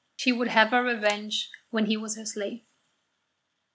She would have her revenge when he was her slave.